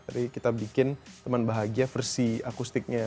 tadi kita bikin teman bahagia versi akustiknya